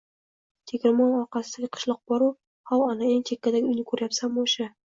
— Tegirmon orqasidagi qishloq bor-u, hov ana, eng chekkadagi uyni koʻryapsanmi — oʻsha